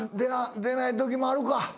出ないときもあるか。